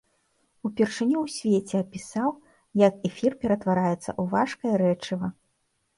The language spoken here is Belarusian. Упершыню ў свеце апісаў, як эфір ператвараецца ў важкае рэчыва.